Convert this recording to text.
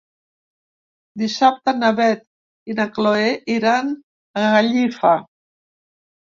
Dissabte na Beth i na Chloé iran a Gallifa.